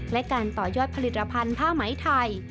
และการต่อยอดผลิตภัณฑ์ผ้าไหมไทย